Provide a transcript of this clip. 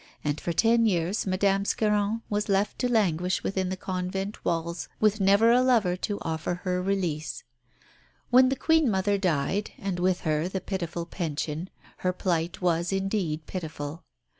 And for ten years Madame Scarron was left to languish within the convent walls with never a lover to offer her release. When the Queen mother died, and with her the pitiful pension, her plight was indeed pitiful.